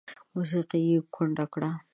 موسیقي یې کونډه کړه